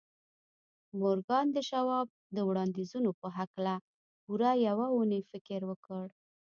مورګان د شواب د وړانديزونو په هکله پوره يوه اونۍ فکر وکړ.